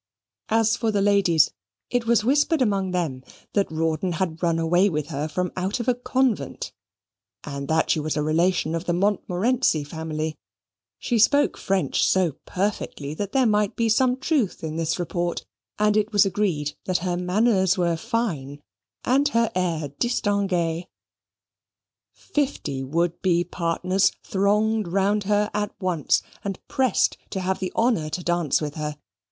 As for the ladies, it was whispered among them that Rawdon had run away with her from out of a convent, and that she was a relation of the Montmorency family. She spoke French so perfectly that there might be some truth in this report, and it was agreed that her manners were fine, and her air distingue. Fifty would be partners thronged round her at once, and pressed to have the honour to dance with her.